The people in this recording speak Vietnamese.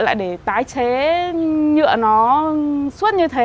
lại để tái chế nhựa nó suốt như thế